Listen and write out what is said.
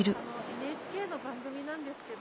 ＮＨＫの番組なんですけど。